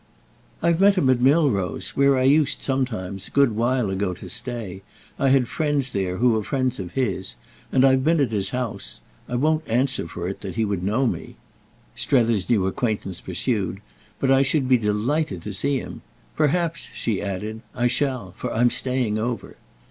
"I've met him at Milrose—where I used sometimes, a good while ago, to stay; I had friends there who were friends of his, and I've been at his house. I won't answer for it that he would know me," Strether's new acquaintance pursued; "but I should be delighted to see him. Perhaps," she added, "I shall—for I'm staying over."